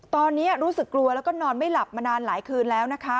ตอนนี้รู้สึกกลัวแล้วก็นอนไม่หลับมานานหลายคืนแล้วนะคะ